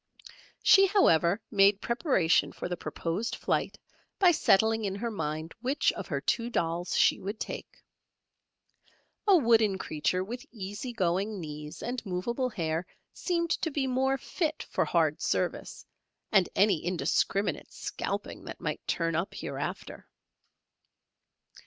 She, however, made preparation for the proposed flight by settling in her mind which of her two dolls she would take. A wooden creature with easy going knees and moveable hair seemed to be more fit for hard service and any indiscriminate scalping that might turn up hereafter.